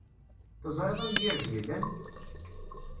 Teẓriḍ amgirred yellan?